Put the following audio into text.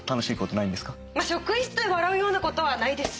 職員室で笑うような事はないです。